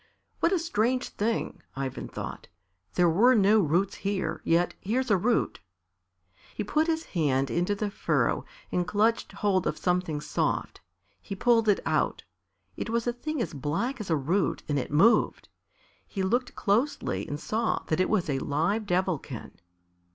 "What a strange thing!" Ivan thought. "There were no roots here, yet here's a root!" He put his hand into the furrow and clutched hold of something soft. He pulled it out. It was a thing as black as a root and it moved. He looked closely and saw that it was a live Devilkin.